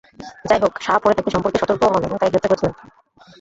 যাইহোক, শাহ পরে তাকে সম্পর্কে সতর্ক হন এবং তাকে গ্রেপ্তার করেছিলেন।